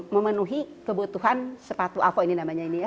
memenuhi kebutuhan sepatu avo ini namanya ini ya